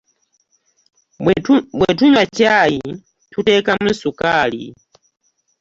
Bwe tunywa caayi tuteekamu sukaali.